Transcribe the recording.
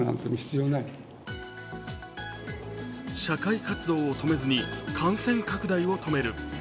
社会活動を止めずに感染拡大を止める。